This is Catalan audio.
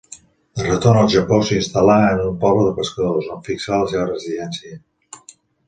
De retorn al Japó, s'instal·là en un poble de pescadors, on fixà la seva residència.